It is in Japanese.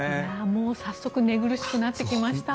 もう早速寝苦しくなってきました。